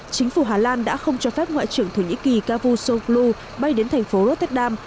chính phủ hà lan đã không cho phép ngoại trưởng thổ nhĩ kỳ cavusoglu bay đến thành phố rotterdam